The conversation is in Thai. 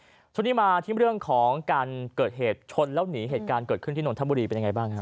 แล้วสักครองทนี่มาที่เรื่องของการเกิดเหตุชนและหนีเหตุการณ์เกิดขึ้นที่นนทรัพย์บุธรีเป็นไงบ้างครับ